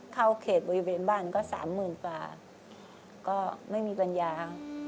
เข้าเขตบริเวณบ้านก็สามหมื่นกว่าก็ไม่มีปัญญา